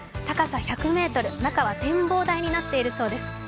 高さ１００ｍ、中は展望台になっているそうです。